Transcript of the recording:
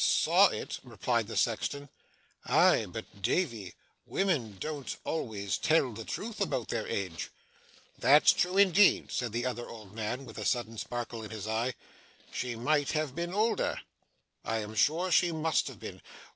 'Saw it?' replied the sexton; 'aye, but, Davy, women don't always tell the truth about their age.' 'That's true indeed,' said the other old man, with a sudden sparkle in his eye. 'She might have been older.' 'I'm sure she must have been.